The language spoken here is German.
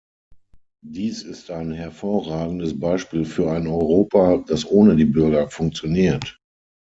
Dies ist ein hervorragendes Beispiel für ein Europa, das ohne die Bürger funktioniert.